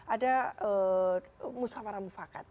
ada musawarah mufakat